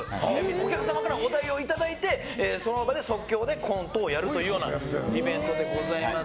お客様からお題をいただいてその場で即興でコントをやるというイベントでございます。